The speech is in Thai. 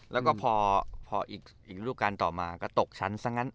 แล้วก็พออีกรูปการณ์ต่อมาก็ตกชั้นซะงั้น